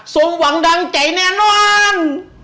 สมหวังดังใจแน่นอน